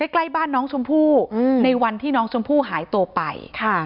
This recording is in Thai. ใกล้บ้านน้องชมพู่ในวันที่น้องชมพู่หายตัวไป